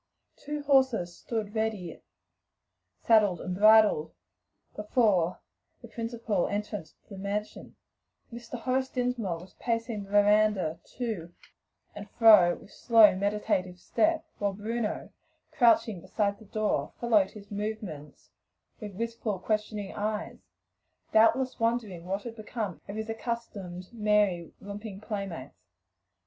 Two horses stood ready saddled and bridled before the principal entrance to the mansion, and Mr. Horace Dinsmore was pacing the veranda to and fro with slow, meditative step, while Bruno, crouching beside the door, followed his movements with wistful, questioning eyes, doubtless wondering what had become of his accustomed merry, romping play mates.